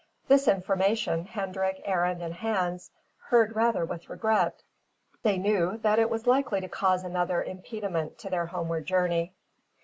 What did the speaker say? This information, Hendrik, Arend, and Hans heard rather with regret: they knew that it was likely to cause another impediment to their homeward journey.